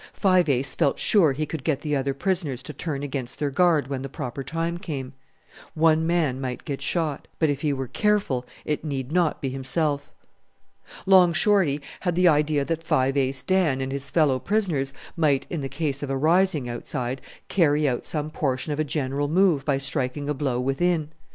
Five Ace felt sure he could get the other prisoners to turn against their guard when the proper time came. One man might get shot; but if he were careful it need not be himself. Long Shorty had the idea that Five Ace Dan and his fellow prisoners might, in the case of a rising outside, carry out some portion of a general move by striking a blow within.